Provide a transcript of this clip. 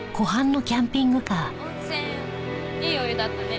温泉いいお湯だったね。